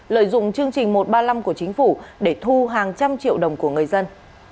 lợi dụng chương trình một trăm ba mươi năm của chính phủ để thu hàng trăm triệu đồng của người dân